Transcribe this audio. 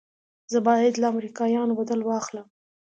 زه بايد له امريکايانو بدل واخلم.